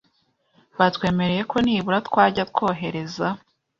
Batwemereye ko nibura twajya twohereza